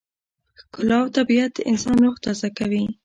ښکلا او طبیعت د انسان روح تازه کوي.